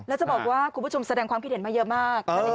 แล้วจะบอกว่าคุณผู้ชมแสดงความคิดเห็นมาเยอะมาก